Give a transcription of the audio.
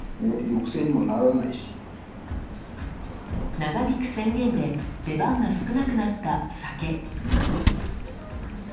長引く宣言で出番が少なくなった酒。